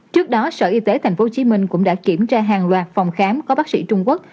trước đó sở y tế tp hcm cũng đã kiểm tra hàng loạt phòng khám có bác sĩ trung quốc